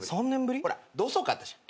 ほら同窓会あったじゃん。